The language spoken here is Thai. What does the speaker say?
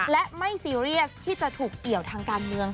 และไม่ซีเรียสที่จะถูกเกี่ยวทางการเมือง